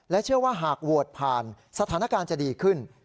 เชื่อว่าหากโหวตผ่านสถานการณ์จะดีขึ้น